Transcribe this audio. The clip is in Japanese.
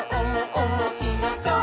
おもしろそう！」